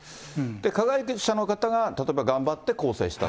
加害者の方が、例えば頑張って更生したと。